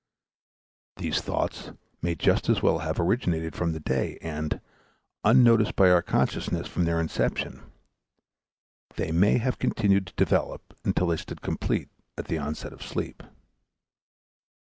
These thoughts may just as well have originated from the day, and, unnoticed by our consciousness from their inception, they may have continued to develop until they stood complete at the onset of sleep.